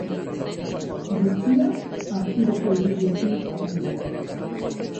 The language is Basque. Guztia, artxiboko irudiekin apainduta.